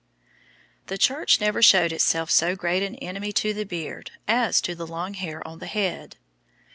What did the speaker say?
The Church never shewed itself so great an enemy to the beard as to long hair on the head.